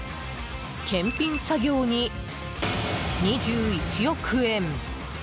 検品作業に２１億円。